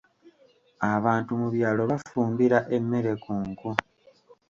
Abantu mu byalo bafumbira emmere ku nku.